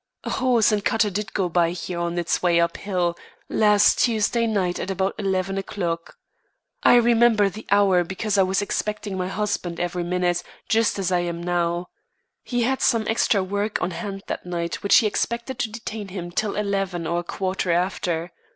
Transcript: A horse and cutter did go by here on its way uphill, last Tuesday night at about eleven o'clock. I remember the hour because I was expecting my husband every minute, just as I am now. He had some extra work on hand that night which he expected to detain him till eleven or a quarter after.